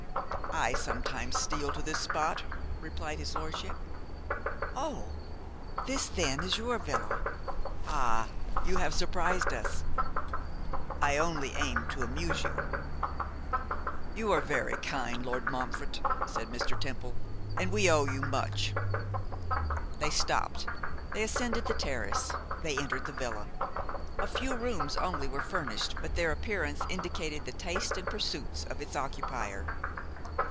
'I sometimes steal to this spot,' replied his lordship. 'Oh! this, then, is your villa? Ah! you have surprised us!' 'I only aimed to amuse you.' 'You are very kind, Lord Montfort,' said Mr. Temple; 'and we owe you much.' They stopped, they ascended the terrace, they entered the villa. A few rooms only were furnished, but their appearance indicated the taste and pursuits of its occupier.